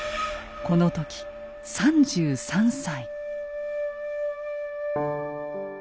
この時３３歳。